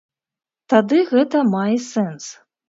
Тады гэта мае сэнс.